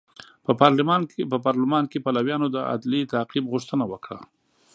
په پارلمان کې پلویانو د عدلي تعقیب غوښتنه وکړه.